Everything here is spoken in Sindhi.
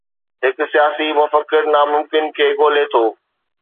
هڪ سياسي مفڪر ناممڪن کي ڳولي ٿو.